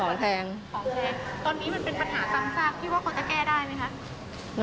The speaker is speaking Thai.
ตอนนี้มันเป็นปัญหาซ้ำซากพี่ว่าเขาจะแก้ได้ไหมคะ